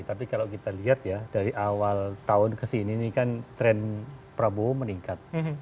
tapi kalau kita lihat ya dari awal tahun ke sini ini kan tren prabowo meningkat